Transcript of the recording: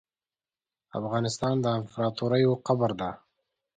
افغانستان د امپراتوریو قبر ده .